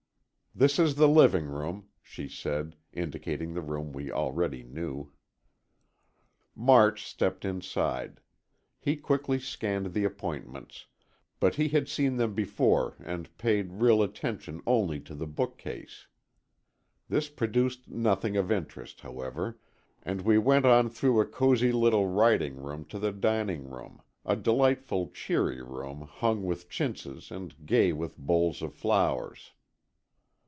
"This is the living room," she said, indicating the room we already knew. March stepped inside. He quickly scanned the appointments, but he had seen them before and paid real attention only to the bookcase. This produced nothing of interest, however, and we went on through a cozy little writing room to the dining room, a delightful cheery room hung with chintzes and gay with bowls of flowers.